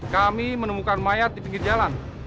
kami menemukan mayat di pinggir jalan